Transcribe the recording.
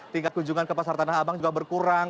tingkat kunjungan ke pasar tanah abang juga berkurang